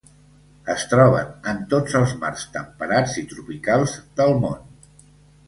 Es troben en tots els mars temperats i tropicals del món.